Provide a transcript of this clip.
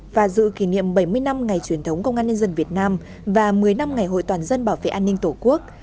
và dự kỷ niệm bảy mươi năm ngày truyền thống công an nhân dân việt nam và một mươi năm ngày hội toàn dân bảo vệ an ninh tổ quốc